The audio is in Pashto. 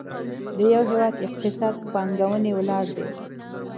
د یو هېواد اقتصاد په پانګونې ولاړ دی.